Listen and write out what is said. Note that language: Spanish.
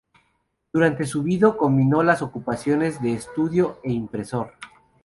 Durante su vido combinó las ocupaciones de estudioso e impresor.